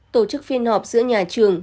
tổ chức phiên họp giữa nhà trường